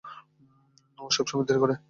ও-ই সবসময় দেরি করে।